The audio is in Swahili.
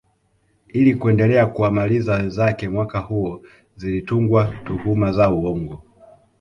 Ili kuendelea kuwamaliza wenzake mwaka huo zilitungwa tuhuma za uongo